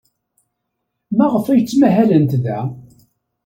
Maɣef ay ttmahalent da?